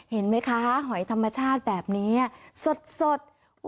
เห็นไหมคะหอยธรรมชาติแบบนี้สด